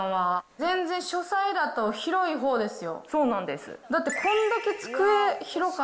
全然書斎だと広いほうですよ。